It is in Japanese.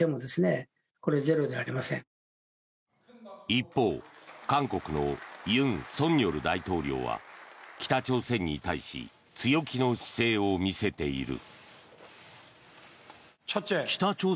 一方、韓国の尹錫悦大統領は北朝鮮に対し強気の姿勢を見せている。